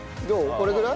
これぐらい？